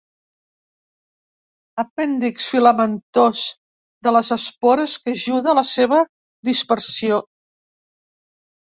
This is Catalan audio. Apèndix filamentós de les espores que ajuda a la seva dispersió.